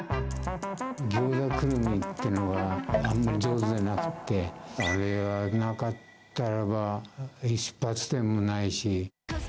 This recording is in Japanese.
ギョーザくるみっていうのが、あんまり上手じゃなくって、あれがなかったらば、出発点もないし。